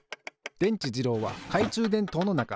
でんちじろうはかいちゅうでんとうのなか。